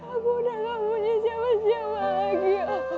aku tak mau punya siapa siapa lagi